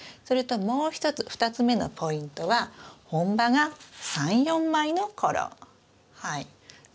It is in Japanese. それともう一つ２つ目のポイントは本葉が３４枚の頃。